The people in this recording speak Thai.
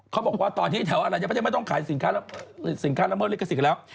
เขาบอกว่าตอนนี้แถวอาหารประเทศไม่ต้องขายสินค้าระเมิดลิขสิทธิ์กันแล้ว